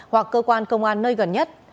hoặc cơ quan công an nơi gần nhất